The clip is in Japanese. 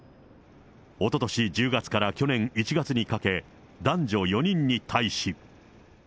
おととし１０月から去年１月にかけ、男女４人に対し。